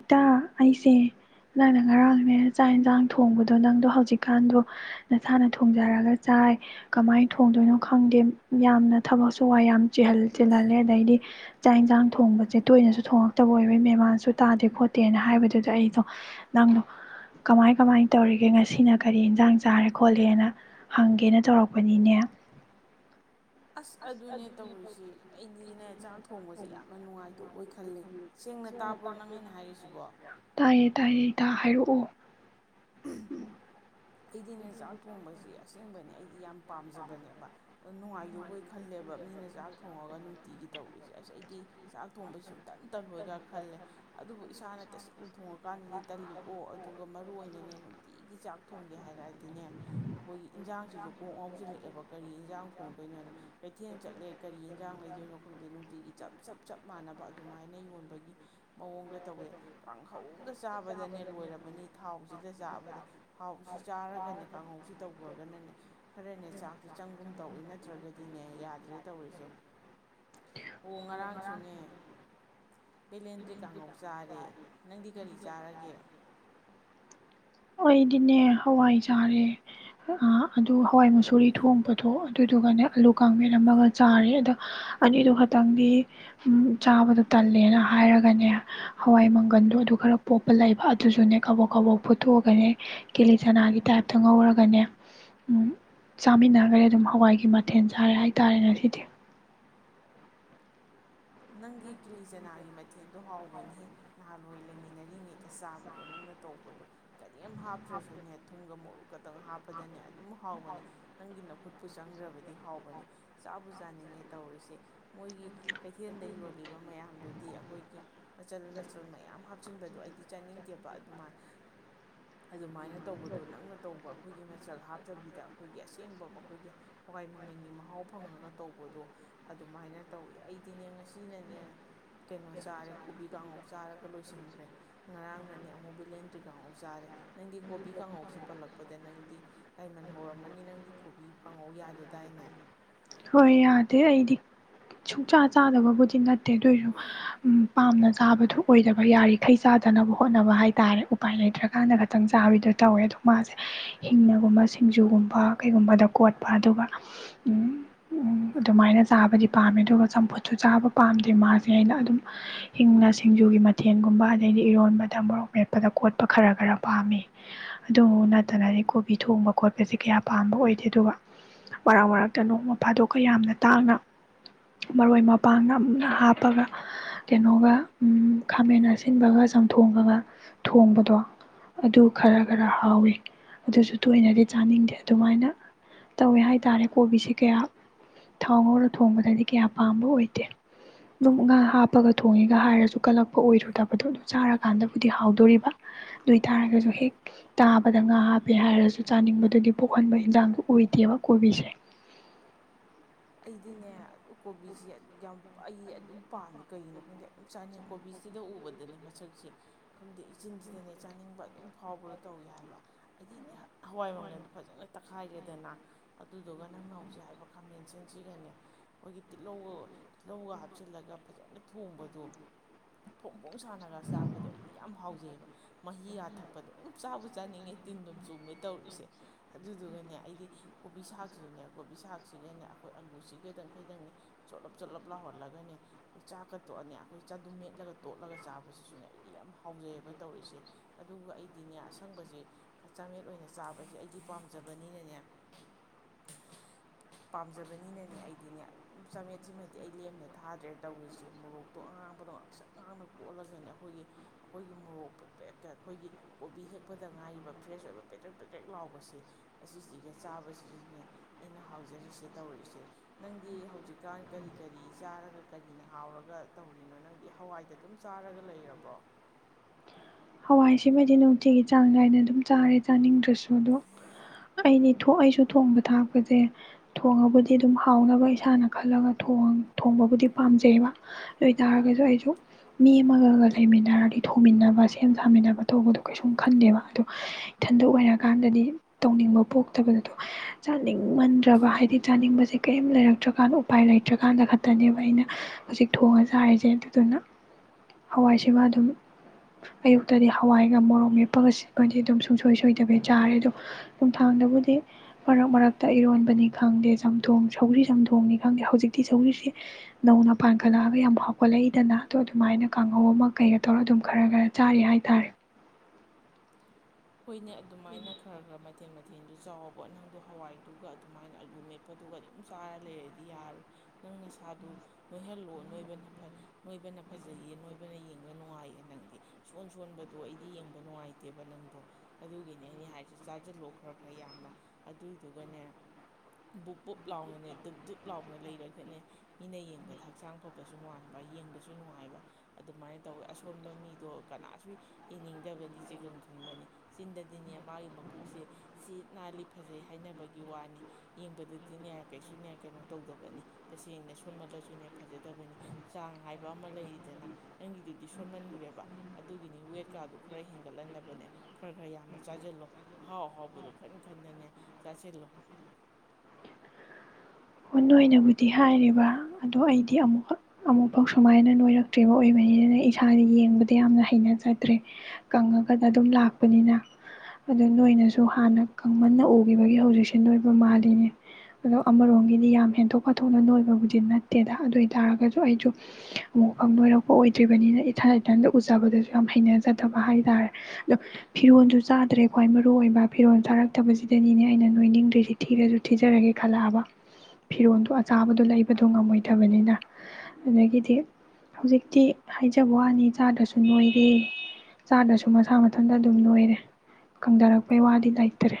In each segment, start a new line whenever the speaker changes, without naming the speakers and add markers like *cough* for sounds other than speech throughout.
ꯏꯇꯥ ꯑꯩꯁꯦ ꯅꯪꯅ ꯉꯔꯥꯡꯅꯦ ꯆꯥꯛ ꯌꯦꯟꯁꯥꯡ ꯊꯣꯡꯕꯗꯣ ꯅꯪꯗꯣ ꯍꯧꯖꯤꯛꯀꯥꯟꯗꯣ ꯅꯁꯥꯅ ꯊꯣꯡꯖꯔꯒ ꯆꯥꯏ ꯀꯃꯥꯏꯅ ꯊꯣꯡꯗꯣꯏꯅꯣ ꯈꯪꯗꯦ ꯌꯥꯝꯅ ꯊꯕꯛꯁꯨ ꯋꯥꯏ ꯌꯥꯝ ꯆꯤꯜꯍꯜꯂꯦ ꯑꯗꯩꯗꯤ ꯆꯥꯛ ꯌꯦꯟꯁꯥꯡ ꯊꯣꯡꯕꯁꯦ ꯇꯣꯏꯅꯁꯨ ꯊꯣꯡꯉꯛꯇꯕ ꯑꯣꯏꯕꯒꯤ ꯃꯦꯃꯥꯟ ꯁꯨ ꯇꯥꯗꯦ ꯈꯣꯠꯇꯦꯅ ꯍꯥꯏꯕꯗꯨꯗ ꯑꯩꯗꯣ ꯅꯪꯗꯣ ꯀꯃꯥꯏ ꯀꯃꯥꯏ ꯇꯧꯔꯤꯒꯦ ꯉꯁꯤꯅ ꯀꯔꯤ ꯏꯟꯁꯥꯡ ꯆꯥꯔꯦ ꯈꯣꯠꯂꯦꯅ ꯍꯪꯒꯦꯅ ꯇꯧꯔꯛꯄꯅꯤꯅꯦ
ꯑꯁ ꯑꯗꯨꯅꯦ ꯇꯧꯔꯤꯁꯦ ꯑꯩꯅ ꯗꯤꯅꯦ ꯆꯥꯛ ꯊꯣꯡ ꯊꯣꯡꯕꯁ ꯌꯥꯝꯅ ꯅꯨꯡꯉꯥꯏꯗꯧꯕꯣꯏ ꯈꯜꯂꯤ ꯁꯦꯡꯅ ꯇꯥꯕ꯭ꯔꯣ ꯅꯪ ꯑꯩꯅ ꯍꯥꯏꯔꯤꯁꯤꯕꯣ
ꯇꯥꯏꯑꯦ ꯏꯇꯥ ꯍꯥꯏꯔꯛꯑꯣ
ꯑꯩꯗꯤꯅꯦ ꯆꯥꯛ ꯊꯣꯡꯕꯁꯤ ꯑꯁꯦꯡꯕꯅꯤ ꯑꯩꯗꯤ ꯌꯥꯝ ꯄꯥꯝꯖꯕꯅꯦꯕ ꯑꯗꯨ ꯅꯨꯡꯉꯥꯏꯗꯧ ꯕꯣꯏ ꯈꯜꯂꯦꯕ ꯃꯤꯅ ꯆꯥꯛ ꯊꯣꯡꯉꯒ ꯅꯨꯡꯇꯤꯒꯤ ꯇꯧꯔꯤꯁꯦ ꯑꯁ ꯑꯩꯗꯤ ꯆꯥꯛ ꯊꯣꯡꯕꯁꯨ ꯇꯟ ꯇꯜꯂꯣꯏꯒ ꯈꯜꯂꯦ ꯑꯗꯨꯕꯨ ꯏꯁꯥꯅ ꯇꯁꯦꯡꯅ ꯊꯣꯡꯉꯛ ꯀꯥꯟꯗꯗꯤ ꯇꯜꯂꯤꯀꯣ ꯑꯗꯨꯒ ꯃꯔꯨ ꯑꯣꯏꯅꯅꯦ ꯅꯨꯡꯇꯤꯒꯤ ꯆꯥꯛ ꯊꯣꯡꯒꯦ ꯍꯥꯏꯔꯗꯤꯅꯦ ꯑꯩꯈꯣꯏꯒꯤ ꯏꯟꯖꯥꯡꯖꯤꯖꯨ ꯀꯣꯛ ꯉꯥꯎꯖꯤꯜꯂꯛꯑꯦꯕ ꯀꯔꯤ ꯏꯟꯖꯥꯡ ꯊꯣꯡꯗꯣꯏꯅꯣꯅ ꯀꯩꯊꯦꯜ ꯆꯠꯂꯦ ꯀꯔꯤ ꯏꯟꯖꯥꯡ ꯂꯩꯗꯣꯏꯅꯣ ꯈꯪꯗꯦ ꯅꯨꯡꯇꯤꯒꯤ ꯆꯞ ꯆꯞ ꯆꯞ ꯃꯥꯟꯅꯕ ꯑꯗꯨꯃꯥꯏꯅ ꯌꯣꯟꯕꯒꯤ ꯃꯑꯣꯡꯗ ꯇꯧꯋꯦ ꯀꯥꯡꯍꯧꯗ ꯆꯥꯕꯗꯅꯦ ꯂꯣꯏꯔꯕꯅꯤ ꯊꯥꯎꯁꯤꯗ ꯆꯥꯕꯗ ꯀꯥꯡꯁꯤ ꯆꯥꯔꯒꯅꯦ ꯀꯥꯡꯉꯧꯁꯤ ꯇꯧꯈ꯭ꯔꯒꯅꯅꯦ ꯈꯔꯅꯦ ꯆꯥꯛꯁꯤ ꯆꯪꯒꯨꯝ ꯇꯧꯏ ꯅꯠꯇ꯭ꯔꯒꯗꯤꯅꯦ ꯌꯥꯗ꯭ꯔꯦ ꯇꯧꯔꯤꯁꯦ ꯑꯣ ꯉꯔꯥꯡꯁꯨꯅꯦ ꯕꯦꯂꯦꯟꯗ꯭ꯔꯤ ꯀꯥꯡꯉꯧ ꯆꯥ ꯔꯦ ꯅꯪꯗꯤ ꯀꯔꯤ ꯆꯥꯔꯒꯦ
ꯑꯩꯗꯤꯅꯦ ꯍꯋꯥꯏ ꯆꯥꯔꯦ ꯑ ꯑꯗꯨ ꯍꯋꯥꯏ ꯃꯁꯨꯨꯔꯤ ꯊꯣꯡꯕꯗꯣ ꯑꯗꯨꯗꯨꯒꯅꯦ ꯑꯂꯨ ꯀꯥꯡꯃꯦꯠ ꯑꯃꯒ ꯆꯥꯔꯦ ꯑꯗꯣ ꯑꯅꯤꯗꯨ ꯈꯛꯇꯪꯗꯤ ꯆꯥꯕꯗꯣ ꯇꯜꯂꯦꯅ ꯍꯥꯏꯔꯒꯅꯦ ꯍꯋꯥꯏ ꯃꯪꯒꯜꯗꯣ ꯑꯗꯨ ꯈꯔ ꯄꯣꯞꯄ ꯂꯩꯕ ꯑꯗꯨꯁꯨꯅꯦ ꯀꯕꯣꯛ ꯀꯕꯣꯛ ꯐꯨꯠꯇꯣꯛꯑꯒꯅꯦ ꯀꯦꯂꯤ ꯆꯅꯥꯒꯤ ꯇꯥꯏꯞꯇ ꯉꯧꯔꯒꯅꯦ ꯆꯥꯃꯤꯟꯅꯈꯗꯤ ꯑꯗꯨꯝ ꯍꯋꯥꯏꯒꯤ ꯃꯊꯦꯜ ꯆꯥꯔꯦ ꯍꯥꯏꯇꯥꯔꯦꯅꯦ ꯉꯁꯤꯗꯤ
ꯅꯪꯒꯤ ꯀꯤꯂꯤ ꯆꯅꯥꯒꯤ ꯃꯊꯦꯜꯗꯣ ꯍꯥꯎꯕꯅꯤꯍꯦ ꯅꯍꯥꯟꯋꯥꯏ ꯂꯩꯃꯤꯟꯅꯔꯤꯉꯩꯗ ꯆꯥꯕꯗꯣ ꯅꯪꯅ ꯇꯧꯕꯗꯣ ꯀꯔꯤ ꯀꯔꯤꯝ ꯍꯥꯞꯇ꯭ꯔꯁꯨꯅꯦ ꯊꯨꯝꯒ ꯃꯣꯔꯣꯛ ꯈꯇꯪ ꯍꯥꯞꯄꯗꯅꯦ ꯑꯗꯨꯝ ꯍꯥꯎꯕꯅꯦ ꯅꯪꯒꯤ ꯅꯈꯨꯠꯄꯨ ꯆꯪꯈ꯭ꯔꯕꯗꯤ ꯍꯥꯎꯕꯅꯤ ꯆꯥꯕꯨ ꯆꯥꯅꯤꯡꯉꯦ ꯇꯧꯔꯤꯁꯦ ꯃꯣꯏꯒꯤ ꯀꯩꯊꯦꯜꯗ ꯌꯣꯜꯂꯤꯕ ꯃꯌꯥꯝꯗꯨꯗꯤ ꯑꯩꯈꯣꯏꯒꯤ ꯃꯆꯜ ꯃꯆꯜ ꯃꯌꯥꯝ ꯍꯥꯞꯆꯤꯟꯕꯗꯣ ꯑꯩꯗꯤ ꯆꯥꯅꯤꯡꯗꯦꯕ ꯑꯗꯨꯃꯥꯏ ꯑꯗꯨꯃꯥꯏꯅ ꯇꯧꯕꯗꯣ ꯅꯪꯅ ꯇꯧꯕ ꯑꯩꯈꯣꯏꯒꯤ ꯃꯆꯜ ꯍꯥꯞꯇꯕꯤꯗ ꯑꯩꯈꯣꯏꯒꯤ ꯑꯁꯦꯡꯕ ꯑꯩꯈꯣꯏꯒꯤ ꯍꯋꯥꯏ ꯃꯪꯒꯟꯒꯤ ꯃꯍꯥꯎ ꯐꯪꯉꯒ ꯇꯧꯕꯗꯣ ꯑꯗꯨꯃꯥꯏꯅ ꯇꯧꯋꯤ ꯑꯩ ꯗꯤꯅꯦ ꯉꯁꯤꯅꯅꯦ ꯀꯩꯅꯣ ꯆꯥꯔꯦ ꯀꯣꯕꯤ ꯀꯥꯡꯉꯧ ꯆꯥꯔꯒ ꯂꯣꯏꯁꯤꯟꯈ꯭ꯔꯦ ꯉꯔꯥꯡꯅꯅꯦ ꯑꯃꯨꯛ ꯕꯤꯂꯦꯟꯗ꯭ꯔꯤ ꯀꯥꯡꯉꯧ ꯆꯥꯔꯦ ꯅꯪꯗꯤ ꯀꯣꯕꯤ ꯀꯥꯡꯉꯧꯁꯤ ꯄꯜꯂꯛꯄꯗ ꯅꯪꯗꯤ ꯂꯥꯏꯃꯟ ꯍꯧꯔꯝꯃꯅꯤ ꯅꯪꯗꯤ ꯀꯣꯕꯤ ꯀꯥꯡꯉꯧ ꯌꯥꯗꯗꯥꯏꯅꯦ
ꯍꯣꯏ ꯌꯥꯗꯦ ꯑꯩꯗꯤ ꯁꯨꯡꯆꯥ ꯆꯥꯗꯕꯕꯨꯗꯤ ꯅꯠꯇꯦ ꯑꯗꯨ ꯑꯣꯏꯁꯨ ꯄꯥꯝꯅ ꯆꯥꯕꯗꯨ ꯑꯣꯏꯗꯕ ꯌꯥꯔꯤꯈꯩ ꯆꯥꯗꯅꯕ ꯍꯣꯠꯅꯕ ꯍꯥꯏ ꯇꯥꯔꯦ ꯎꯄꯥꯏ ꯂꯩꯇ꯭ꯔꯀꯥꯟꯗ ꯈꯤꯇꯪ ꯆꯥꯕꯒꯤꯗꯣ ꯇꯧꯋꯦ ꯑ ꯃꯥꯁꯦ ꯍꯤꯡꯅꯒꯨꯝꯕ ꯁꯤꯡꯖꯨꯒꯨꯝꯕ ꯀꯩꯒꯨꯝꯕꯗ ꯀꯣꯠꯄ ꯑꯗꯨꯒ ꯎꯝ ꯑꯗꯨꯃꯥꯏꯅ ꯆꯥꯕꯗꯤ ꯄꯥꯝꯃꯦ ꯑꯗꯨꯒ ꯆꯝꯐꯨꯠꯁꯨ ꯆꯥꯕ ꯄꯥꯝꯗꯦ ꯃꯥꯁꯦ ꯑꯩꯅ ꯑꯗꯨꯝ ꯍꯤꯡꯅ ꯁꯤꯡꯖꯨꯒꯤ ꯃꯊꯦꯜꯒꯨꯝꯕ ꯑꯗꯩꯗꯤ ꯏꯔꯣꯟꯕꯗ ꯃꯣꯔꯣꯛ ꯃꯦꯠꯄꯗ ꯀꯣꯠꯄ ꯈꯔ ꯈꯔ ꯄꯥꯝꯃꯤ ꯑꯗꯨ ꯅꯠꯇꯅꯗꯤ ꯀꯣꯕꯤ ꯊꯣꯡꯕ ꯈꯣꯠꯄꯁꯦ ꯀꯌꯥ ꯄꯥꯝꯕ ꯑꯣꯏꯗꯦ ꯑꯗꯨꯒ ꯃꯔꯛ ꯃꯔꯛꯇ ꯅꯣꯡꯃ ꯐꯥꯗꯣꯛꯀ ꯌꯥꯝꯅ ꯇꯥꯡꯅ ꯃꯔꯣꯏ ꯃꯄꯥꯡ ꯅꯝꯅ ꯍꯥꯞꯄꯒ ꯀꯩꯅꯣꯒ ꯈꯥꯃꯦꯟ ꯑꯁꯤꯟꯕꯒ ꯆꯝꯊꯣꯡꯉꯒ ꯊꯣꯡꯕꯗꯣ ꯑꯗꯨ ꯈꯔ ꯈꯔ ꯍꯥꯎꯋꯤ ꯑꯗꯨꯁꯨ ꯇꯣꯏꯅꯗꯤ ꯆꯥꯅꯤꯡꯗꯦ ꯑꯗꯨꯃꯥꯏꯅ ꯇꯧꯋꯦ ꯍꯥꯏꯇꯥꯔꯦ ꯀꯣꯕꯤꯁꯦ ꯀꯌꯥ ꯊꯥꯎ ꯉꯧꯔ ꯊꯣꯡꯕꯗꯗꯤ ꯀꯌꯥ ꯄꯥꯝꯕ ꯑꯣꯏꯗꯦ ꯑꯗꯨꯝ ꯉꯥ ꯍꯥꯞꯄꯒ ꯊꯣꯡꯉꯦꯒ ꯍꯥꯏꯔꯁꯨ ꯀꯂꯛꯄ ꯑꯣꯏꯔꯨꯗꯕꯗꯣ ꯑꯗꯨꯝ ꯆꯥꯔꯀꯥꯟꯗꯕꯨꯗꯤ ꯍꯥꯎꯗꯣꯔꯤꯕ ꯑꯗꯨ ꯑꯣꯏꯇꯥꯥꯔꯒꯁꯨ ꯍꯦꯛ ꯇꯥꯕꯗ ꯉꯥ ꯍꯥꯞꯄꯦ ꯍꯥꯏꯔꯁꯨ ꯆꯥꯅꯤꯡꯕꯗꯨꯒꯤ ꯄꯣꯛꯍꯟꯕ ꯏꯟꯖꯥꯡꯗꯨꯣ ꯑꯣꯏꯗꯦꯕ ꯀꯣꯕꯤꯁꯦ
ꯑꯩꯗꯤꯅꯦ ꯀꯣꯕꯤꯖꯦ ꯌꯥꯝ ꯑꯩ ꯑꯗꯨꯝ ꯌꯥꯝ ꯄꯥꯝ ꯀꯩꯒꯤꯅꯣ ꯈꯪꯗꯦ ꯑꯗꯨꯝ ꯆꯥꯅꯤꯡꯆꯥ ꯀꯣꯕꯤꯖꯤꯗ ꯎꯕꯗ ꯃꯁꯛ ꯈꯪꯗꯦ ꯏꯆꯤꯟꯁꯤꯗꯅꯦ ꯆꯥꯅꯤꯡꯕ ꯑꯗꯨꯝ ꯐꯥꯎꯕ ꯇꯧꯋꯤ ꯍꯥꯏꯕ ꯑꯩꯗꯤꯅꯦ ꯍꯋꯥꯏ ꯃꯪꯒꯜꯗ ꯐꯖ ꯇꯛꯈꯥꯏꯔꯦꯗꯅ ꯑꯗꯨꯗꯨꯒ ꯅꯪꯅ ꯍꯧꯖꯤꯛ ꯍꯥꯏꯕ ꯈꯥꯃꯦꯟ ꯑꯁꯤꯟꯕꯗꯣ ꯁꯤꯒꯅꯦ ꯑꯩꯈꯣꯏꯒꯤ ꯇꯤꯜꯍꯧꯒ ꯇꯤꯜꯍꯧꯒ ꯍꯥꯞꯆꯤꯜꯂꯒ ꯐꯖꯅ ꯊꯣꯡꯕꯗꯣ ꯐꯣꯡ ꯐꯣꯡ ꯁꯥꯅꯒ ꯆꯥꯕꯗꯣ ꯑꯩꯗꯤ ꯌꯥꯝ ꯍꯥꯎꯖꯩꯑꯕ ꯃꯍꯤꯒ ꯊꯛꯄꯗ ꯑꯗꯨꯝ ꯆꯥꯕ ꯆꯥꯅꯤꯡꯉꯦ ꯇꯤꯟꯗꯨꯝ ꯆꯨꯝꯃꯦ ꯇꯧꯔꯤꯁꯦ ꯑꯗꯨꯗꯨꯒꯅꯦ ꯑꯩꯗꯤ ꯀꯣꯕꯤ ꯁꯥꯛꯁꯤꯅꯦ ꯀꯣꯕꯤ ꯁꯥꯛꯁꯤꯒꯅꯦ ꯑꯩꯈꯣꯏ ꯑꯂꯨꯁꯤ ꯈꯤꯇꯪ ꯀꯈꯤꯇꯪꯅꯦ ꯆꯣꯠꯂꯞ ꯆꯣꯠꯂꯞ ꯂꯥꯎꯍꯜꯂꯒꯅꯦ ꯑꯩꯈꯣꯏ ꯆꯥꯛꯀ ꯇꯣꯛꯑꯅꯦ ꯑꯩꯈꯣꯏ ꯆꯥꯗꯨꯝ ꯃꯦꯠꯂꯒ ꯇꯣꯠꯂꯒ ꯆꯥꯕꯁꯤꯁꯨꯅꯦ ꯑꯩꯗꯤ ꯌꯥꯝ ꯍꯥꯎꯖꯩꯑꯕ ꯇꯧꯔꯤꯁꯦ ꯑꯗꯨꯒ ꯑꯩꯗꯤꯅꯦ ꯑꯁꯪꯕꯁꯦ ꯆꯥꯃꯦꯠ ꯑꯣꯏꯅ ꯆꯥꯕꯁꯦ ꯑꯩꯗꯤ ꯄꯥꯝꯖꯕꯅꯤꯅꯅꯦ ꯄꯥꯝꯖ ꯐꯖꯕꯅꯤꯅꯅꯦ ꯑꯩꯗꯤꯅꯦ ꯆꯃꯦꯠꯁꯤꯃꯗꯤ ꯑꯩ ꯂꯦꯝꯅ ꯊꯥꯗ꯭ꯔꯦ ꯇꯧꯔꯤꯁꯦ ꯃꯣꯔꯣꯛꯇꯣ ꯑꯉꯥꯡꯕꯗꯣ ꯉꯥꯡꯁꯛ ꯉꯥꯡꯅ ꯀꯣꯠꯂꯒꯅꯦ ꯑꯩꯈꯣꯏꯒꯤ ꯑꯩꯈꯣꯏꯒꯤ ꯃꯣꯔꯣꯛ ꯑꯩꯈꯣꯏꯒꯤ ꯀꯣꯕꯤ ꯍꯦꯛꯄꯗ ꯉꯥꯏꯔꯤꯕ ꯐ꯭ꯔꯦꯁ ꯑꯣꯏꯕ ꯄꯦꯗꯇ꯭ꯔꯦꯛ ꯄꯦꯗ꯭ꯔꯛ ꯂꯥꯎꯕꯁꯦ ꯑꯁꯤꯁꯤꯒ ꯆꯥꯕꯁꯤꯗꯅꯦ ꯑꯩꯅ ꯍꯥꯎꯖꯔꯤꯁꯦ ꯇꯧꯔꯤꯁꯦ ꯅꯪꯗꯤ ꯍꯧꯖꯤꯛꯀꯥꯟ ꯀꯔꯤ ꯀꯔꯤ ꯆꯥꯔꯒ ꯀꯔꯤꯅ ꯍꯥꯎꯔꯒ ꯇꯧꯔꯤꯅꯣ ꯅꯪꯗꯤ ꯍꯋꯥꯏꯗ ꯑꯗꯨꯝ ꯆꯥꯔꯒ ꯂꯩꯔꯕ꯭ꯔꯣ
ꯍꯋꯥꯏꯁꯤꯃꯗꯤ ꯅꯨꯡꯇꯤꯒꯤ ꯆꯥꯡ ꯅꯥꯏꯅ ꯑꯗꯨꯝ ꯆꯥꯔꯦ ꯆꯥꯅꯤꯡꯗ꯭ꯔꯁꯨ ꯑꯗꯣ ꯑꯩꯗꯤ ꯑꯩꯁꯨ ꯊꯣꯡꯕ ꯊꯥꯛꯄꯁꯦ ꯊꯣꯡꯉꯕꯨꯗꯤ ꯑꯗꯨꯝ ꯍꯥꯎꯅꯕ ꯏꯁꯥꯅ ꯈꯜꯂꯒ ꯊꯣꯡꯕꯕꯨꯗꯤ ꯄꯥꯝꯖꯩꯑꯕ ꯑꯗꯨ ꯑꯣꯏ ꯇꯥꯔꯒꯁꯨ ꯑꯩꯁꯨ ꯃꯤ ꯑꯃꯒꯒ ꯂꯩꯃꯤꯟꯅꯔꯗꯤ ꯊꯣꯡꯃꯤꯟꯅꯕꯁꯦ ꯁꯦꯝ ꯁꯥꯃꯤꯟꯅꯕ ꯇꯧꯕꯗꯣ ꯀꯩꯁꯨꯝ ꯈꯟꯗꯦꯕ ꯑꯗꯣ ꯏꯊꯟꯗ ꯑꯣꯏꯔꯀꯥꯟꯗꯗꯤ ꯇꯧꯅꯤꯡꯕ ꯄꯣꯛꯇꯕꯗꯨꯗꯣ ꯆꯥꯅꯤꯡꯃꯟꯗ꯭ꯔꯕ ꯍꯥꯏꯗꯤ ꯆꯥꯅꯤꯡꯕꯁꯦ ꯀꯔꯤꯝ ꯂꯩꯔꯛꯇ꯭ꯔꯀꯥꯟꯗ ꯎꯄꯥꯏ ꯂꯩꯇ꯭ꯔꯀꯥꯟꯗ ꯈꯛꯇꯅꯦꯕ ꯑꯩꯅ ꯍꯧꯖꯤꯛ ꯊꯣꯡꯉ ꯆꯥꯔꯤꯁꯦ ꯑꯗꯨꯗꯨꯅ ꯍꯋꯥꯏꯁꯤꯃ ꯑꯗꯨꯝ ꯑꯌꯨꯛꯇꯗꯤ ꯍꯋꯥꯏꯒ ꯃꯣꯔꯣꯛ ꯃꯦꯠꯄꯒ ꯁꯤꯄꯗꯤ ꯑꯗꯨꯝ ꯁꯨꯡꯁꯣꯏ ꯁꯣꯏꯗꯕ ꯆꯥꯔꯦ ꯑꯗꯣ ꯅꯨꯡꯊꯥꯡꯗꯕꯨꯗꯤ ꯃꯔꯛ ꯃꯔꯛꯇ ꯏꯔꯣꯟꯕꯅꯤ ꯈꯪꯗꯦ ꯆꯝꯊꯣꯡ ꯁꯧꯒꯔꯤ ꯆꯝꯊꯣꯡꯅꯤ ꯈꯪꯗꯦ ꯍꯧꯖꯤꯛꯇꯤ ꯁꯧꯔꯤꯁꯤꯦ ꯅꯧꯅ ꯄꯥꯟꯈꯠꯂꯛꯑꯒ ꯌꯥꯝ ꯍꯧꯥꯎꯒꯠꯂꯛꯏꯗꯅ ꯑꯗꯣ ꯑꯗꯨꯃꯥꯏꯅ ꯀꯥꯡꯍꯧ ꯑꯃ ꯀꯩꯒ ꯇꯧꯔꯒ ꯑꯗꯨꯝ ꯈꯔ ꯈꯔ ꯆꯥꯔꯤ ꯍꯥꯏꯇꯥꯔꯦ
ꯑꯩꯈꯣꯏꯅꯦ ꯑꯗꯨꯃꯥꯏꯅ ꯈꯔ ꯈꯔ ꯃꯊꯦꯜ ꯃ ꯃꯊꯦꯜꯗꯨ ꯆꯥꯎꯕ ꯅꯪꯗꯣ ꯍꯋꯥꯏꯗꯨꯒ ꯑꯗꯨꯃꯥꯏꯅ ꯑꯂꯨ ꯃꯦꯠꯄꯗꯨꯒ ꯑꯗꯨꯝ ꯆꯥꯔ ꯂꯩꯔꯗꯤ ꯌꯥꯔꯣꯏ ꯅꯪ ꯅꯁꯥꯗꯣ ꯅꯣꯏꯍꯜꯂꯣ ꯅꯣꯏꯕꯅ ꯅꯣꯏꯕꯅ ꯐꯖꯩꯌꯦ ꯅꯣꯏꯕꯅ ꯌꯦꯡꯕ ꯅꯨꯡꯉꯥꯏꯌꯦ ꯅꯪꯗꯤ ꯁꯣꯟ ꯁꯣꯟꯕꯗꯣ ꯑꯩꯗꯤ ꯌꯦꯡꯕ ꯅꯨꯡꯉꯥꯏꯇꯦꯕ ꯅꯪꯗꯣ ꯑꯗꯨꯒꯤꯅꯦ ꯑꯩꯅ ꯍꯥꯏꯔꯤꯁꯦ ꯆꯥꯁꯤꯜꯂꯣꯛꯈ꯭ꯔꯈ꯭ꯔꯦ ꯌꯥꯝꯅ ꯑꯗꯨꯏꯗꯨꯒꯅꯦ ꯕꯨꯛ ꯕꯨꯛ ꯂꯥꯎꯅꯅꯦ ꯗꯨꯞ ꯗꯨꯞ ꯂꯥꯎꯅ ꯂꯩꯔꯒꯅꯦ ꯃꯤꯅ ꯌꯦꯡꯕꯗ ꯍꯛꯆꯥꯡ ꯐꯕꯁꯨ ꯃꯥꯟꯕ ꯌꯦꯡꯕꯁꯨ ꯅꯨꯡꯉꯥꯏꯕ ꯑꯗꯨꯃꯥꯏꯅ ꯇꯧꯋꯦ ꯑꯁꯣꯟꯕ ꯃꯤꯗꯣ ꯀꯅꯥꯁꯨ ꯌꯦꯡꯅꯤꯡꯗꯕꯅꯤ ꯆꯤꯒꯪ ꯊꯨꯡꯕꯅꯤ ꯆꯤꯟꯗꯗꯤꯅꯦ ꯃꯥꯒꯤ ꯃꯕꯨꯛꯁꯦ ꯁꯤ ꯅꯥꯜꯂꯤ ꯐꯖꯩ ꯍꯥꯏꯅꯕꯒꯤ ꯋꯥꯅꯤ ꯌꯦꯡꯕꯗꯗꯤꯅꯦ ꯀꯩꯁꯨꯅꯦ ꯀꯩꯅꯣ ꯇꯧꯗꯕꯅꯤ ꯇꯁꯦꯡꯅꯦ ꯁꯣꯟꯃꯜꯂꯁꯨꯅꯦ ꯐꯖꯗꯕꯅꯤ ꯆꯥꯡ ꯍꯥꯏꯕ ꯑꯃ ꯂꯩꯔꯤꯗꯅ ꯅꯪꯒꯤꯗꯨꯗꯤ ꯁꯣꯟꯃꯟꯈ꯭ꯔꯦꯕ ꯑꯗꯨꯒꯤꯅꯤ ꯋꯦꯠꯀꯥꯗꯨ ꯈꯔ ꯍꯦꯟꯒꯠꯍꯟꯅꯕꯅꯦ ꯈꯔ ꯈꯔ ꯌꯥꯝꯅ ꯆꯥꯁꯤꯜꯂꯣ ꯑꯍꯥꯎ ꯑꯍꯥꯎꯕꯗꯣ ꯈꯟ ꯈꯟꯗꯅꯦ ꯆꯥꯁꯤꯜꯂꯣ
ꯍꯣꯏ *unintelligible* ꯗꯤ ꯍꯥꯏꯔꯤꯕ ꯑꯗꯨꯗ ꯑꯩ ꯣꯏꯔꯛꯇ꯭ ꯑꯣꯏꯕꯅꯤꯅ ꯏꯁꯥ ꯌꯦꯡꯕ ꯌꯥꯝꯅ ꯍꯩꯅꯗ꯭ꯔꯦ ꯀꯪꯉ ꯑꯗꯨ ꯂꯄꯅꯤꯅ ꯑꯗꯨ ꯅꯣꯏꯅꯁꯨ ꯍꯥꯟꯅ ꯀꯪꯃꯟꯅ ꯎꯒꯤ ꯍꯧꯣꯏꯕ ꯃꯥꯜꯂꯤꯅꯦ ꯑꯔꯣꯝ ꯌꯥꯝ ꯍꯦꯟꯗꯣꯛ ꯄꯥꯊꯣꯛꯅ ꯅꯣꯏꯕꯕꯨꯗꯤ ꯅꯠꯇꯦꯗ ꯑꯗꯨ ꯑꯣꯏ ꯇꯥꯔꯒꯁꯨ ꯑꯩꯁꯨ ꯑꯃꯨꯛ ꯅꯣꯏꯔꯛꯄ ꯑꯣꯏꯗ꯭ꯔꯤꯕꯅꯤꯅ ꯏꯊꯟ ꯏꯊꯟꯗ ꯎꯖꯕꯗꯁꯨ ꯌꯥꯝ ꯍꯩꯅꯖꯗꯕ ꯍꯥꯏ ꯇꯥꯔꯦ ꯑꯗꯣ ꯐꯤꯔꯣꯜꯁꯨ ꯆꯥꯗ꯭ꯔꯦ ꯈ꯭ꯋꯥꯏ ꯃꯔꯨ ꯑꯣꯏꯕ ꯐꯤꯔꯣꯜ ꯆꯥꯔꯛꯇꯕꯁꯤꯗꯅꯤꯅꯦ ꯑꯩꯅ ꯅꯣꯏꯅꯤꯡꯗ꯭ꯔꯤꯁꯤ ꯊꯤꯔꯁꯨ ꯊꯤꯖꯔꯒꯦ ꯈꯜꯂꯛꯑꯕ ꯐꯤꯔꯣꯜꯗꯣ ꯑꯆꯥꯕꯗꯣ ꯂꯩꯕꯗꯣ ꯉꯝꯃꯣꯏꯗꯕꯅꯤꯅ ꯑꯗꯒꯤꯗꯤ ꯍꯧꯖꯤꯛꯇꯤ ꯍꯥꯏꯩꯖꯕ ꯋꯥꯅꯤ ꯆꯥꯗ꯭ꯔꯁꯨ ꯅꯣꯏꯔꯦ ꯆꯥꯗꯁꯨ ꯃꯁꯥ ꯃꯊꯟꯇ ꯑꯗꯨꯝ ꯅꯣꯏꯔꯦ ꯀꯪꯊꯔꯛꯄꯩ ꯋꯥꯗꯤ ꯂꯩꯇ꯭ꯔꯦ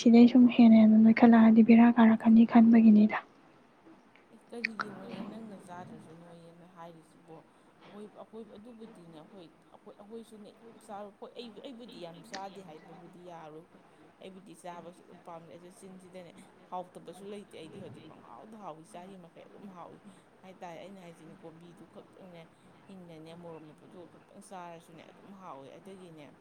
ꯁꯤꯗꯩ ꯁꯨꯝ ꯍꯦꯟꯅ ꯑꯗꯨ ꯅꯣꯏꯈꯠꯂꯛꯑꯗꯤ ꯕꯦꯔꯥ ꯀꯥꯔꯛꯀꯅꯤ ꯈꯟꯕꯒꯤꯅꯤ
ꯑꯦ ꯀꯔꯤꯒꯤꯅꯣꯅꯦ ꯅꯪꯅ ꯆꯥꯗ꯭ꯔꯁꯤ ꯅꯣꯏꯌꯦꯅ ꯍꯥꯏꯔꯤꯁꯤꯕꯣ ꯑꯩꯈꯣꯏ ꯑꯩꯈꯣꯏ ꯑꯗꯨꯕꯨꯗꯤꯅꯦ ꯑꯩꯈꯣꯏ ꯑꯩꯣꯏ ꯑꯩꯈꯣꯏꯁꯨꯅꯦ ꯌꯥꯝ ꯆꯥꯔꯣꯏ ꯍꯣꯏ ꯑꯩꯕꯨꯗꯤ ꯌꯥꯝ ꯆꯥꯗꯦ ꯍꯥꯏꯕꯕꯨꯗꯤ ꯌꯥꯔꯣꯏꯀꯣ ꯑꯩꯕꯨꯗꯤ ꯆꯥꯕꯁꯨ ꯑꯗꯨꯝ ꯄꯥꯝꯖꯩ ꯑꯩꯁꯨ ꯆꯤꯟꯁꯤꯗꯅꯦ ꯍꯥꯎꯇꯕꯁꯨ ꯂꯩꯇꯦ ꯑꯩꯗꯤ ꯍꯧꯖꯤꯛ ꯄꯪꯍꯥꯎꯗ ꯍꯥꯎꯋ ꯆꯥꯔꯤ ꯃꯈꯩ ꯑꯗꯨꯝ ꯍꯥꯎꯏ ꯍꯥꯏꯇꯥꯔꯦ ꯑꯩꯅ ꯍꯥꯏꯁꯤꯅꯦ ꯀꯣꯕꯤꯗꯨ ꯈꯛꯇꯪꯅꯦ ꯍꯤꯡꯅꯅꯦ ꯃꯣꯔꯣꯛ ꯃꯄꯠꯗꯨꯒ ꯈꯛꯇꯪ ꯆꯥꯔꯁꯨꯅꯦ ꯑꯗꯨꯝ ꯍꯥꯎꯏꯤ ꯑꯗꯒꯤꯅꯦ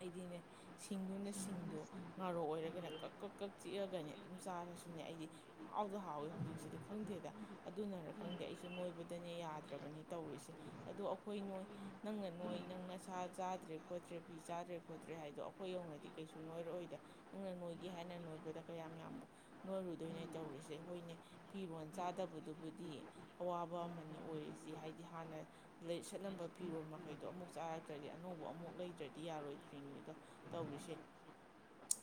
ꯑꯩꯗꯤꯅꯦ ꯁꯤꯡꯗꯨꯅ ꯁꯤꯡꯗꯣ ꯉꯥꯔꯣꯛ ꯑꯣꯏꯔꯒꯅꯦ ꯀꯛ ꯀꯛ ꯀꯛ ꯆꯤꯛꯑꯒꯅꯦ ꯑꯗꯨꯝ ꯆꯥꯔꯁꯨꯅꯦ ꯑꯩꯗꯤ ꯃꯍꯥꯎꯗ ꯍꯥꯎꯏꯤ ꯍꯧꯖꯤꯛꯇꯤ ꯁꯤꯗ ꯈꯪꯗꯦꯗ ꯑꯗꯨꯅꯔ ꯈꯪꯗꯦ ꯑꯩꯁꯨ ꯅꯣꯏꯕꯗꯅꯦ ꯌꯥꯗ꯭ꯔꯕꯅꯤ ꯇꯧꯔꯤꯁꯦ ꯑꯗꯣ ꯑꯩꯈꯣꯏ ꯅꯣꯏ ꯅꯪꯅ ꯅꯣꯏ ꯅꯪ ꯅ ꯁꯥ ꯆꯥꯗ꯭ꯔꯦ ꯈꯣꯠꯇ꯭ꯔꯦ ꯐꯤ ꯆꯥꯗ꯭ꯔꯦ ꯈꯣꯠꯇ꯭ꯔꯦ ꯍꯥꯏꯗꯣ ꯑꯩꯈꯣꯏ ꯌꯧꯅꯗꯤ ꯀꯩꯁꯨ ꯅꯣꯏꯔꯛꯑꯣꯏꯗ ꯅꯪꯅ ꯅꯣꯏꯒꯦ ꯍꯥꯏꯅ ꯅꯣꯏꯕꯗ ꯀꯌꯥꯝ ꯌꯥꯝꯕꯨ ꯅꯣꯏꯔꯨꯗꯣꯏꯅꯣ ꯇꯧꯔꯤꯁꯦ ꯍꯣꯏꯅꯦ ꯐꯤꯔꯣꯜ ꯆꯥꯗꯕꯗꯨꯕꯨꯗꯤ ꯑꯋꯥꯕ ꯑꯃꯅꯤ ꯑꯣꯏꯔꯤꯁꯤ ꯍꯥꯏꯗꯤ ꯍꯥꯟꯅ ꯁꯠꯂꯝꯕ ꯐꯤꯔꯣ ꯃꯈꯩꯗꯣ ꯑꯃꯨꯛ ꯆꯥꯔꯛꯇ꯭ꯔꯗꯤ ꯑꯅꯧꯕ ꯑꯃꯨꯛ ꯂꯩꯗ꯭ꯔꯗꯤ ꯌꯥꯔꯣꯏꯗ꯭ꯔꯤꯅꯤꯗꯣ ꯇꯧꯔꯤꯁꯦ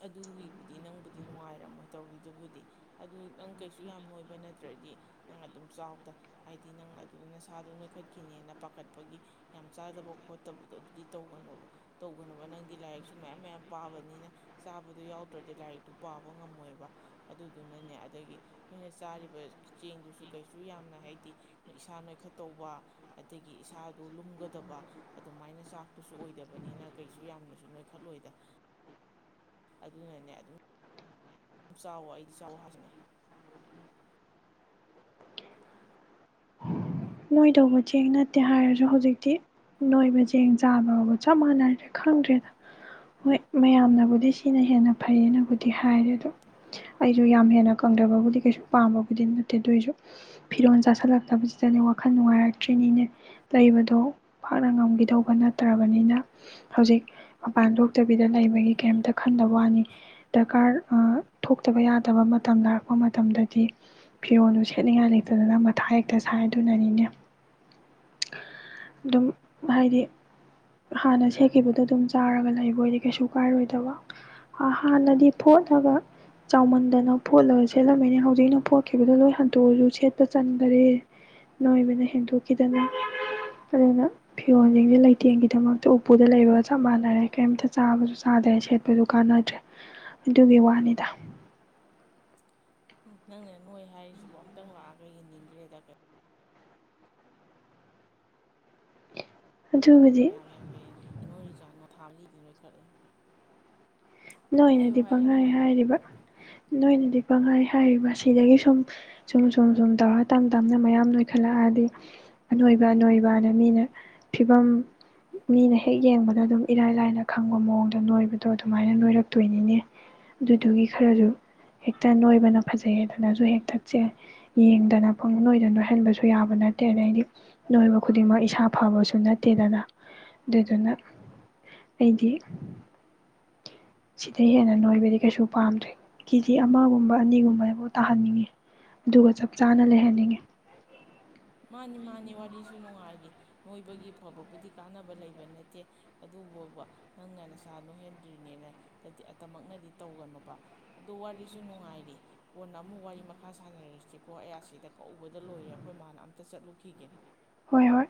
ꯑꯗꯨꯒꯤꯕꯨꯗꯤ ꯅꯪꯕꯨꯗꯤ ꯅꯨꯡꯉꯥꯏꯔꯝꯃꯣꯏ ꯇꯧꯔꯤꯗꯨꯕꯨꯗꯤ ꯑꯗꯨ ꯅꯪ ꯀꯩꯁꯨ ꯌꯥꯝꯣꯏꯕ ꯍꯥꯏꯕ ꯅꯠꯇ꯭ꯔꯗꯤ ꯅꯪ ꯑꯗꯨꯝ ꯆꯥꯎꯗ ꯍꯥꯏꯗꯤ ꯅꯪ ꯑꯗꯨ ꯅꯁꯥꯗꯣ ꯅꯣꯏꯈꯠꯈꯤꯅꯦꯅ ꯄꯥꯈꯠꯄꯒꯤ ꯌꯥꯝ ꯆꯥꯗꯕ ꯈꯣꯠꯇꯕꯗꯣ ꯑꯗꯨꯗꯤ ꯇꯧꯒꯅꯣꯕ ꯇꯧꯒꯅꯕ ꯅꯪꯗꯤ ꯂꯥꯏꯔꯤꯛꯁꯨ ꯃꯌꯥꯝ ꯃꯌꯥꯝ ꯄꯥꯕꯅꯤꯅ ꯆꯥꯕꯗꯣ ꯌꯥꯎꯗ꯭ꯔꯗꯤ ꯂꯥꯏꯔꯤꯛꯇꯨ ꯄꯥꯕ ꯉꯝꯃꯣꯏꯕ ꯑꯗꯨꯗꯨꯅꯅꯦ ꯑꯗꯒꯤ ꯅꯣꯏ ꯆꯥꯔꯤꯕ ꯆꯦꯡꯗꯨꯁꯨ ꯀꯩꯁꯨ ꯌꯥꯝꯅ ꯍꯥꯏꯗꯤ ꯏꯁꯥ ꯅꯣꯏꯈꯠꯇꯧꯕ ꯑꯗꯒꯤ ꯏꯁꯥꯗ ꯂꯨꯝꯒꯗꯕ ꯑꯗꯨꯃꯥꯏꯅ ꯆꯥꯛꯇꯨꯁꯨ ꯑꯣꯏꯗꯕꯅꯤꯅ ꯀꯩꯁꯨ ꯌꯥꯝꯅꯁꯨ ꯅꯣꯏꯈꯠꯂꯣꯏꯗ ꯑꯗꯨꯅꯅꯦ ꯑꯗꯨꯝ ꯌꯥ ꯆꯥꯎꯋ ꯑꯩꯗꯤ ꯆꯥꯎꯋ ꯍꯥꯏꯖꯅꯤ
ꯅꯣꯏ ꯇꯧꯕ ꯆꯦꯡ ꯅꯠꯇꯦ ꯍꯥꯏꯔꯁꯨ ꯍꯧꯖꯤꯛꯇꯤ ꯅꯣꯏꯕ ꯆꯦꯡ ꯆꯥꯕꯕꯨ ꯆꯞ ꯃꯥꯟꯅꯗ꯭ꯔꯦ ꯈꯪꯗ꯭ꯔꯦꯗ ꯍꯣꯏ ꯃꯌꯥꯝꯅꯕꯨꯗꯤ ꯁꯤꯅ ꯍꯦꯟꯅ ꯐꯩꯌꯦꯅꯕꯨꯗꯤ ꯍꯥꯏꯔꯦ ꯑꯗꯣ ꯑꯩꯁꯨ ꯌꯥꯝ ꯍꯦꯟꯅ ꯀꯪꯗꯕꯕꯨꯗꯤ ꯀꯩꯁꯨ ꯄꯥꯝꯕꯕꯨꯗꯤ ꯅꯠꯇꯦ ꯑꯗꯨꯑꯣꯏꯁꯨ ꯐꯤꯔꯣꯜ ꯆꯥꯁꯤꯜꯂꯛꯇꯕꯁꯤꯗꯗꯤ ꯋꯥꯈꯜ ꯅꯨꯡꯉꯥꯏꯔꯛꯇ꯭ꯔꯤꯅꯤꯅꯦ ꯂꯩꯕꯗꯣ ꯐꯥꯛꯅ ꯉꯝꯈꯤꯗꯧꯕ ꯅꯠꯇ꯭ꯔꯕꯅꯤꯅ ꯍꯧꯖꯤꯛ ꯃꯄꯥꯟ ꯊꯣꯛꯇꯕꯤꯗ ꯂꯩꯕꯒꯤ ꯀꯩꯝꯇ ꯈꯟꯗꯕ ꯋꯥꯅꯤ ꯗꯔꯀꯥꯔ ꯊꯣꯛꯇꯕ ꯌꯥꯗꯕ ꯃꯇꯝ ꯂꯥꯛꯔꯛꯄ ꯃꯇꯝꯗꯗꯤ ꯐꯤꯔꯣꯜꯗꯨ ꯁꯦꯠꯅꯤꯡꯉꯥꯏ ꯂꯩꯇꯗꯅ ꯃꯊꯥ ꯍꯦꯛꯇ ꯁꯥꯏꯗ ꯑꯗꯨꯅꯅꯤꯅꯦ ꯑꯗꯨꯝ ꯍꯥꯏꯗꯤ ꯍꯥꯟꯅ ꯁꯦꯠꯈꯤꯕꯗꯣ ꯑꯗꯨꯝ ꯆꯥꯔꯒ ꯂꯩꯕꯣꯏꯗꯤ ꯀꯩꯁꯨ ꯀꯥꯏꯔꯣꯏꯗꯕ ꯍꯥꯟꯅꯗꯤ ꯐꯣꯠꯂꯒ ꯆꯥꯎꯃꯟꯗꯅ ꯐꯣꯠꯂꯒ ꯁꯦꯠꯂꯝꯃꯤꯅꯦ ꯍꯧꯖꯤꯛꯅ ꯐꯣꯠꯈꯤꯕꯗꯣ ꯂꯣꯏ ꯍꯟꯇꯣꯛꯑꯁꯨ ꯁꯦꯠꯄ ꯆꯟꯗꯔꯦ ꯅꯣꯏꯕꯅ ꯍꯦꯟꯗꯣꯛꯈꯤꯗꯅ ꯑꯗꯨꯅ ꯐꯤꯔꯣꯟꯁꯤꯡꯁꯦ ꯂꯩꯇꯦꯡꯒꯤꯗꯃꯛꯇ ꯎꯄꯨꯗ ꯂꯩꯕꯒ ꯆꯞ ꯃꯥꯟꯅꯔꯦ ꯀꯔꯤꯝꯇ ꯆꯥꯕꯁꯨ ꯆꯥꯗ꯭ꯔꯦ ꯁꯦꯠꯄꯁꯨ ꯀꯥꯟꯅꯗ꯭ꯔꯦ ꯑꯗꯨꯒꯤ ꯋꯥꯅꯤꯗ
ꯅꯡꯅ ꯅꯣꯏ ꯍꯥꯏꯔꯤꯁꯤꯕ ꯑꯝꯇꯪ ꯂꯥꯛꯑꯒ ꯌꯦꯡꯅꯤꯡꯈ꯭ꯔꯦꯗ ꯀꯩꯅ
ꯑꯗꯨꯕꯨꯗꯤ
*unintelligible* ꯅꯣꯏ *unintelligible*
ꯅꯣꯏꯅꯗꯤ ꯄꯪꯍꯥꯏ ꯍꯥꯏꯔꯤꯕ ꯅꯣꯏꯅꯗꯤ ꯄꯪꯍꯥꯏ ꯍꯥꯏꯔꯤꯕ ꯁꯤꯗꯒꯤ ꯁꯨꯝ ꯁꯨꯝ ꯁꯨꯝ ꯁꯨꯝ ꯇꯧꯔ ꯇꯞ ꯇꯞꯅ ꯃꯌꯥꯝ ꯅꯣꯏꯈꯠꯂꯛꯑꯗꯤ ꯑꯅꯣꯏꯕ ꯑꯅꯣꯏꯕ ꯑꯗ ꯃꯤꯅ ꯐꯤꯕꯝ ꯃꯤꯅ ꯍꯦꯛ ꯌꯦꯡꯕꯗ ꯑꯗꯨꯝ ꯏꯔꯥꯏ ꯂꯥꯏꯅ ꯈꯪꯕ ꯃꯑꯣꯡꯗꯣ ꯅꯣꯏꯕꯗꯣ ꯑꯗꯨꯃꯥꯏꯅ ꯑꯗꯨꯃꯥꯏꯅ ꯅꯣꯏꯔꯛꯇꯣꯏꯅꯤꯅꯦ ꯑꯗꯨꯗꯨꯒꯤ ꯈꯔꯁꯨ ꯍꯦꯛꯇ ꯅꯣꯏꯕꯅ ꯐꯖꯩꯗꯅꯁꯨ ꯍꯦꯛꯇꯁꯦ ꯌꯦꯡꯗꯅ ꯅꯣꯏꯗꯅ ꯅꯣꯏꯍꯟꯕꯁꯨ ꯌꯥꯕ ꯅꯠꯇꯦ ꯑꯗꯩꯗꯤ ꯅꯣꯏꯕ ꯈꯨꯗꯤꯡꯃꯛ ꯏꯁꯥ ꯐꯕꯁꯨ ꯅꯠꯇꯦꯗꯅ ꯑꯗꯨꯗꯨꯅ ꯑꯩꯗꯤ ꯁꯤꯗꯩ ꯍꯦꯟꯅ ꯅꯣꯏꯕꯗꯤ ꯀꯩꯁꯨ ꯄꯥꯝꯗ꯭ꯔꯦ ꯀꯦꯖꯤ ꯑꯃꯒꯨꯝꯕ ꯑꯅꯤꯒꯨꯝꯕꯐꯥꯎ ꯇꯥꯍꯟꯅꯤꯡꯉꯤ ꯑꯗꯨꯒ ꯆꯞ ꯆꯥꯅ ꯂꯩꯍꯟꯅꯤꯡꯉꯤ
ꯃꯥꯅꯤ ꯃꯥꯅꯤ ꯋꯥꯔꯤꯁꯨ ꯅꯨꯡꯉꯥꯏꯔꯤ ꯅꯣꯏꯕꯒꯤ ꯐꯕꯕꯨꯗꯤ ꯀꯥꯟꯅꯕ ꯂꯩꯕ ꯅꯠꯇꯦ ꯑꯗꯨꯕꯨꯕ ꯅꯪꯅ ꯅꯁꯥ ꯅꯣꯏꯍꯟꯗ꯭ꯔꯤꯅꯦꯅꯗꯤ ꯑꯇꯃꯛꯅꯗꯤ ꯇꯧꯒꯅꯣꯕ ꯑ ꯋꯥꯔꯤꯁꯨ ꯅꯨꯡꯉꯥꯏꯔꯤ ꯀꯣꯟꯅ ꯑꯃꯨꯛ ꯋꯥꯔꯤ ꯃꯈꯥ ꯁꯥꯟꯅꯔꯁꯤꯀꯣ ꯑꯌꯥꯁꯤꯗ ꯀꯗ ꯂꯣꯏꯔꯦ ꯑꯩꯈꯣꯏ ꯃꯥꯅ ꯑꯝꯇ ꯇ ꯆꯠꯂꯨꯈꯤꯒꯦ
ꯍꯣꯏ ꯍꯣꯏ